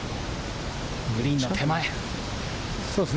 グリーンの手前。